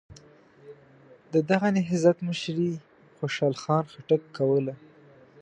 د دغه نهضت مشري خوشحال خان خټک کوله.